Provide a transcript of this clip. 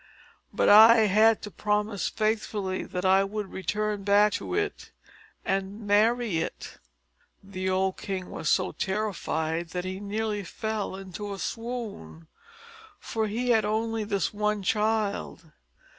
But I had to promise faithfully that I would return back to it, and marry it." The old king was so terrified that he nearly fell into a swoon; for he had only this one child.